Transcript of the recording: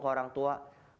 ke orang tua